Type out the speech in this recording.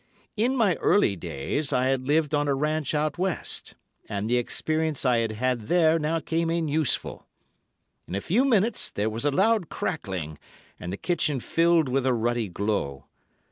In my early days I had lived on a ranch out west, and the experience I had had there now came in useful. In a few minutes there was a loud crackling, and the kitchen filled with a ruddy glow.